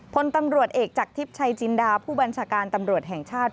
พลตำรวจเอกจากทิพย์ชัยจินดาผู้บัญชาการตำรวจแห่งชาติ